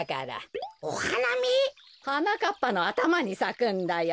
はなかっぱのあたまにさくんだよ。